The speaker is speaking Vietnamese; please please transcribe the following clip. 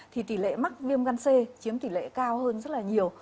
thì tỷ lệ mắc viêm gan c chiếm tỷ lệ cao hơn rất là nhiều